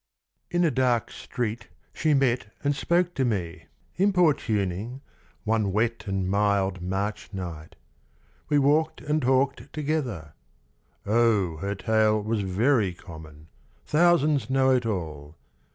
In a dark street she met and spoke to me, Importuning, one wet and mild March night. We walked and talked together. O her tale Was very common; thousands know it all!